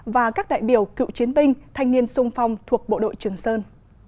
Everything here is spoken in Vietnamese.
và các đại biểu cựu chiến binh thanh niên sung phong thuộc bộ đội trường sơn